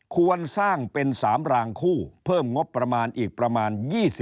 ควรสร้างเป็น๓รางคู่เพิ่มงบประมาณอีกประมาณ๒๐